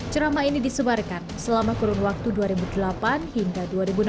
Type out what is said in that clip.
ceramah ini disebarkan selama kurun waktu dua ribu delapan hingga dua ribu enam belas